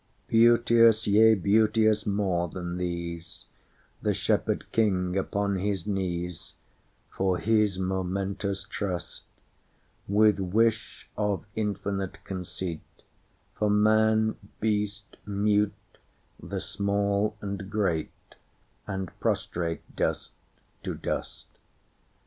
Beauteous, yea beauteous more than these, The Shepherd King upon his knees, For his momentous trust; With wish of infinite conceit, For man, beast, mute, the small and great, And prostrate dust to dust.